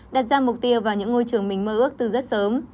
đặt ra mục tiêu vào những ngôi trường mình mơ ước từ rất sớm